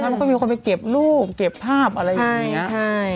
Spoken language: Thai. มันก็มีคนไปเก็บรูปเก็บภาพอะไรอย่างนี้